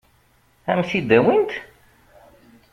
Ad m-t-id-awint?